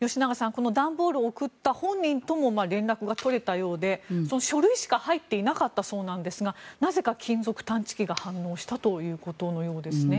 この段ボールを送った本人とも連絡が取れたようで、書類しか入っていなかったそうなんですがなぜか金属探知機が反応したということのようです。